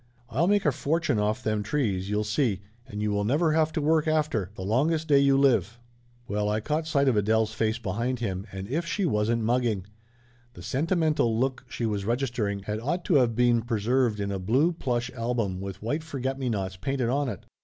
I'll make a fortune off them trees, you'll see, and you will never have to work, after, the longest day you live !" Well, I caught sight of Adele's face behind him, and if she wasn't mugging! The sentimental look 246 Laughter Limited she was registering had ought to of been preserved in a blue plush album with white forget me nots painted on it!